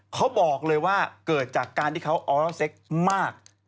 เขาบอกเลยว่าเกิดจากการที่เขาออรเซ็กซ์มาก